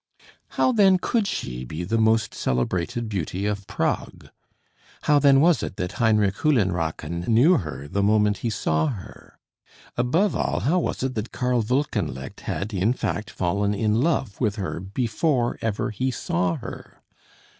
How then could she be the most celebrated beauty of Prague? How then was it that Heinrich Höllenrachen knew her the moment he saw her? Above all, how was it that Karl Wolkenlicht had, in fact, fallen in love with her before ever he saw her?